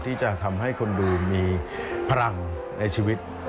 ที่จะทำให้คนดูมีพลังในชีวิต